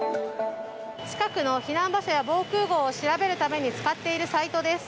近くの避難場所や防空壕を調べるために使っているサイトです。